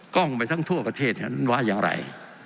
กล้องไปทั้งทั่วประเทศนั้นว่าอย่างไร